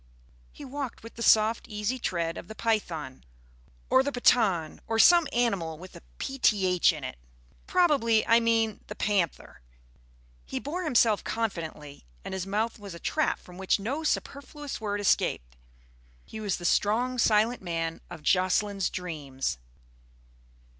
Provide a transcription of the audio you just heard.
He walked with the soft, easy tread of the python, or the Pathan, or some animal with a "pth" in it. Probably I mean the panther. He bore himself confidently, and his mouth was a trap from which no superfluous word escaped. He was the strong, silent man of Jocelyn's dreams.